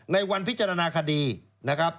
ในวันพิจารณาคดีนะครับ